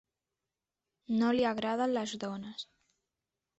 No li agraden les dones.